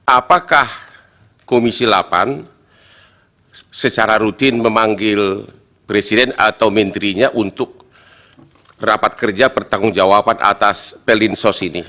apakah komisi delapan secara rutin memanggil presiden atau menterinya untuk rapat kerja pertanggung jawaban atas pelinsos ini